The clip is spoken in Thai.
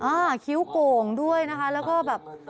คิ้วโก่งด้วยนะคะแล้วก็แบบ